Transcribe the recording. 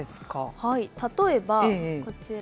例えば、こちら。